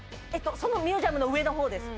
そのミュージアムの上のほうです